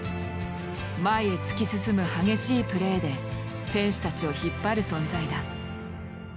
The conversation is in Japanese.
前へ突き進む激しいプレーで選手たちを引っ張る存在だ。